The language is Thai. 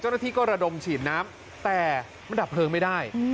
เจ้าหน้าที่ก็ระดมฉีดน้ำแต่มันดับเพลิงไม่ได้